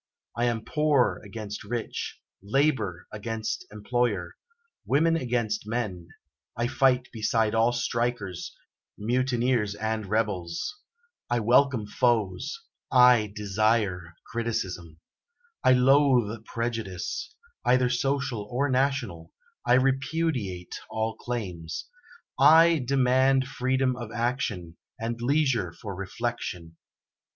I am with poor against rich, labour against employer, women against men; I fight beside all strikers, mutineers, and rebels. I welcome foes; I desire criticism. I loathe prejudice, either social or national; I repudiate all claims. I demand freedom of action and leisure for reflection.